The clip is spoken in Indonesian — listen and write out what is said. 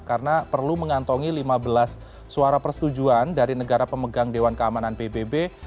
karena perlu mengantongi lima belas suara persetujuan dari negara pemegang dewan keamanan pbb